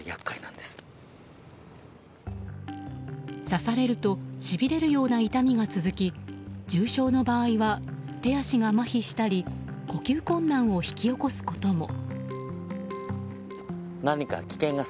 刺されるとしびれるような痛みが続き重症の場合は、手足がまひしたり呼吸困難を引き起こすことも。